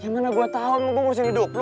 ya mana gue tau mau gue ngurusin hidup lo